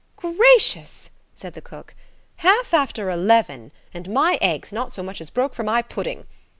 "Gracious!" said the cook. "Half after eleven, and my eggs not so much as broke for my pudding.